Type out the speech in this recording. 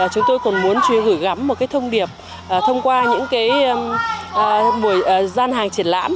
chúng tôi còn muốn gửi gắm một thông điệp thông qua những gian hàng triển lãm